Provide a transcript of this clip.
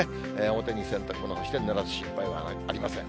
表に洗濯物干してぬらす心配はありません。